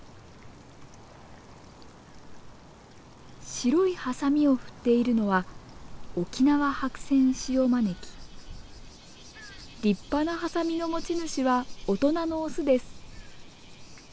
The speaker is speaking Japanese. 白いハサミを振っているのは立派なハサミの持ち主は大人のオスです。